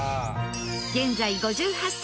現在５８歳。